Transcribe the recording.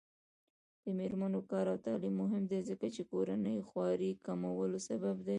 د میرمنو کار او تعلیم مهم دی ځکه چې کورنۍ خوارۍ کمولو سبب دی.